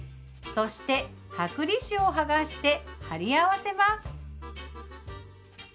そして剥離紙を剥がして貼り合わせます。